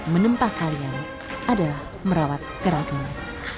menempah kalian adalah merawat gerakannya